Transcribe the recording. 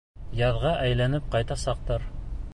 Яҙға әйләнеп ҡайтасаҡтар.